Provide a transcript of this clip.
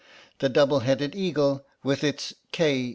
The double headed eagle, with its "K.